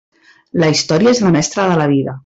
La història és la mestra de la vida.